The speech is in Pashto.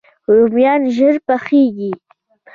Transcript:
رومیان ژر پخیږي